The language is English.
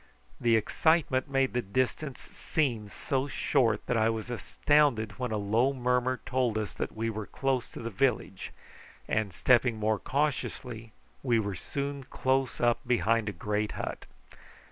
The excitement made the distance seem so short that I was astounded when a low murmur told us that we were close to the village, and, stepping more cautiously, we were soon close up behind a great hut.